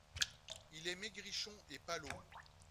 Il est maigrichon et palot.